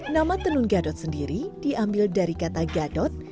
nama tenun gadot sendiri diambil dari kata gadot